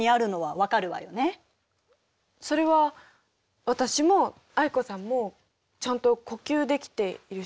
それは私も藍子さんもちゃんと呼吸できているし。